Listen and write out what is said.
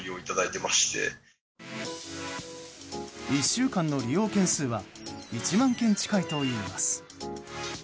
１週間の利用件数は１万件近いといいます。